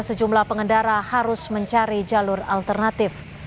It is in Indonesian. sejumlah pengendara harus mencari jalur alternatif